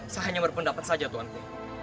saya hanya berpendapat saja tuhanku